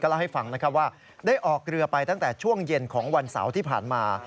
เล่าให้ฟังนะครับว่าได้ออกเรือไปตั้งแต่ช่วงเย็นของวันเสาร์ที่ผ่านมา